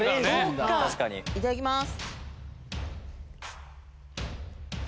いただきます。